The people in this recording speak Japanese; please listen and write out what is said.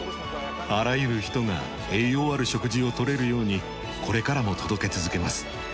あらゆる人が栄養ある食事を取れるようにこれからも届け続けます。